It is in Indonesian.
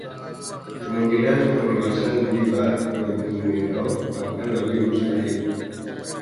Kemungkinan perluasan di barat ke "Blumenau" bahkan lebih mustahil.